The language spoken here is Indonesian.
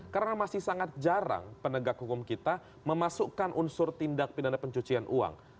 karena masih sangat jarang penegak hukum kita memasukkan unsur tindak pidana pencucian uang